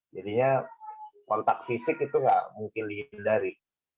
jadinya kontak fisik itu nggak mungkin dihindari